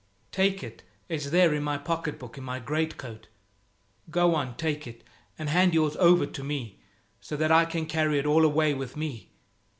"Take it. It's there in my pocket book in my greatcoat. Go on, take it, and hand yours over to me so that I can carry it all away with me.